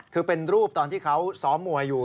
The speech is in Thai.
คือเป็นรูปตอนที่เขาซ้อมมวยอยู่